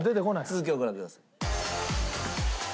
続きをご覧ください。